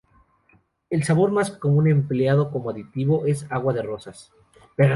El sabor más común empleado como aditivo es agua de rosas.